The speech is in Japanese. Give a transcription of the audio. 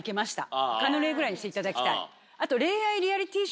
カヌレぐらいにしていただきたい。